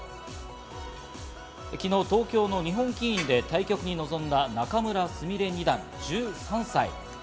昨日、東京の日本棋院で対局に臨んだ仲邑菫二段、１３歳。